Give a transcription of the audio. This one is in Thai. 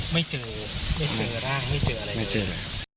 ไม่เจอไม่เจอร่างไม่เจออะไร